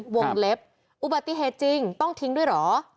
วงเล็บอุบัติเหตุจริงต้องทิ้งด้วยเหรอ